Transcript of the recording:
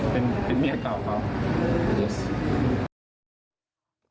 เป็นเมียเก่าเขา